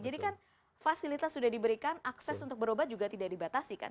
jadi kan fasilitas sudah diberikan akses untuk berobat juga tidak dibatasi kan